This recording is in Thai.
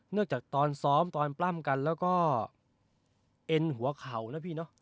จากตอนซ้อมตอนปล้ำกันแล้วก็เอ็นหัวเข่านะพี่เนอะ